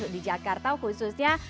di jakarta khususnya